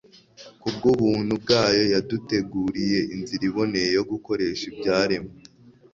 kubw'ubuntu bwayo, yaduteguriye inzira iboneye yo gukoresha ibyaremwe